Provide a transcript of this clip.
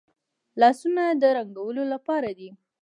لاسونه د رنګولو لپاره دي